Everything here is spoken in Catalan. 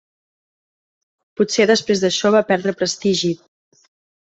Potser després d'això va perdre prestigi.